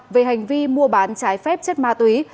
về hành vi mua bán trái phép chất ma túy